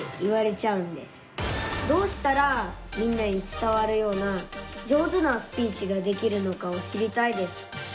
どうしたらみんなに伝わるような上手なスピーチができるのかを知りたいです。